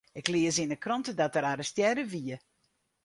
Ik lies yn 'e krante dat er arrestearre wie.